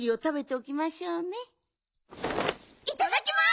いただきます！